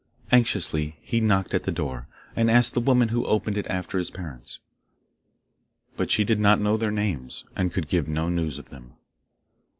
Anxiously he knocked at the door, and asked the woman who opened it after his parents. But she did not know their names, and could give him no news of them.